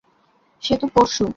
সে তো পরশু!